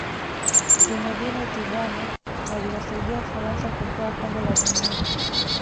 zinedine zidane aliwasaidia ufaransa kutwaa kombe la dunia